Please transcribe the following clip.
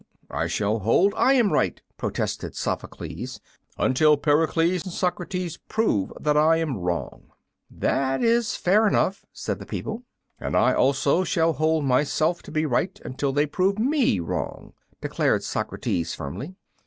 "I shall hold I am right," protested Sophocles, "until Pericles and Socrates prove that I am wrong." "That is fair enough," said the people. "And I also shall hold myself to be right until they prove me wrong," declared Socrates, firmly.